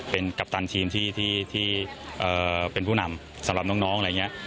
เป็นกัปตันทีมที่เป็นผู้นำสำหรับน้องอะไรอย่างนี้